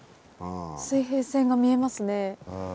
水平線が見えますね。